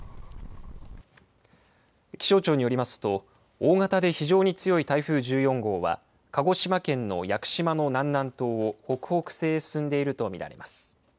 気象庁によりますと大型で非常に強い台風１４号は鹿児島県の屋久島の南南東を北北西へ進んでいると見られます。